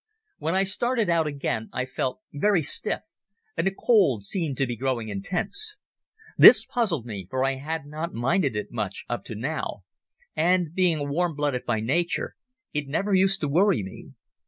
When I started out again I felt very stiff and the cold seemed to be growing intense. This puzzled me, for I had not minded it much up to now, and, being warm blooded by nature, it never used to worry me.